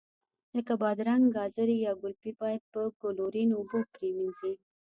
لکه بادرنګ، ګازرې یا ګلپي باید په کلورین اوبو پرېمنځي.